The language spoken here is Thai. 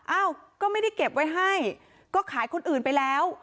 เอ้าก็ไม่ได้เก็บไว้ให้ก็ขายคนอื่นไปแล้ว